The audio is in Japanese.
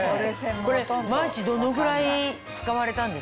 これ毎日どのぐらい使われたんですか？